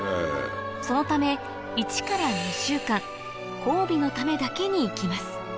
そのため１から２週間交尾のためだけに生きます